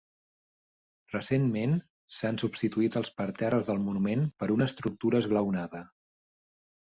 Recentment, s'han substituït els parterres del monument per una estructura esglaonada.